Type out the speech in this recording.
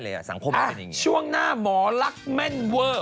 แล้วแม่อันจิตใจมัน